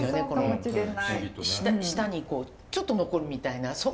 この舌にちょっと残るみたいな。